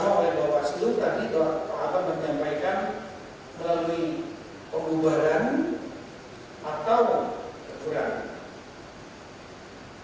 terutama oby bawaslu menciptakan boston menyampaikan melalui pembubaran atau kekurangan